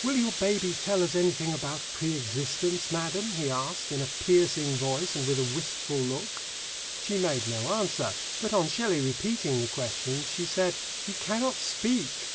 "Will your baby tell us anything about pre existence, madam?" he asked, in a piercing voice and with a wistful look. She made no answer, but on Shelley repeating the question she said, "He cannot speak."